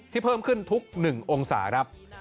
ที่เพิ่มขึ้นทุกหนึ่งองศาดรับ